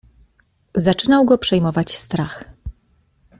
"Zaczynał go przejmować strach."